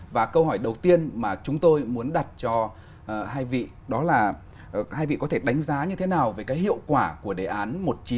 và câu hỏi đầu tiên mà chúng tôi muốn đặt cho hai vị đó là hai vị có thể đánh giá như thế nào về cái hiệu quả của đề án một nghìn chín trăm sáu mươi năm